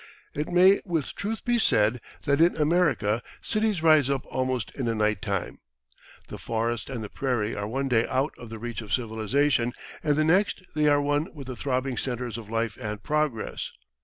It may with truth be said that in America cities rise up almost in a night time. The forest and the prairie are one day out of the reach of civilisation, and the next they are one with the throbbing centres of life and progress.